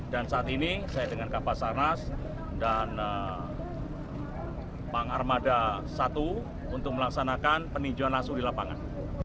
dan saat ini saya dengan kapas arnas dan pang armada satu untuk melaksanakan peninjauan langsung di lapangan